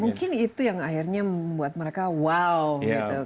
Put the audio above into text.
mungkin itu yang akhirnya membuat mereka wow gitu